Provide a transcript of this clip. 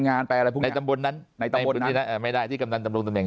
งานไปอะไรพวกในตำบลนั้นในตำบลนี้นะไม่ได้ที่กำนันดำรงตำแหน